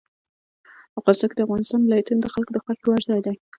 افغانستان کې د افغانستان ولايتونه د خلکو د خوښې وړ ځای دی.